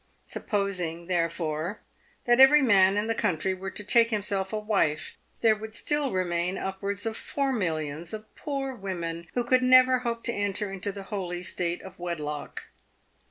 Supposing, therefore, that every man in the country were to take to himself a wife, there would still remain upwards of four millions of poor women who could never hope to enter into the holy state of wedlock.